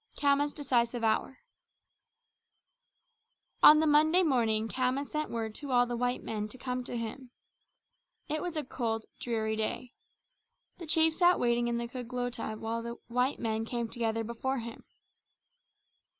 Khama's Decisive Hour On the Monday morning Khama sent word to all the white men to come to him. It was a cold, dreary day. The chief sat waiting in the Kgotla while the white men came together before him.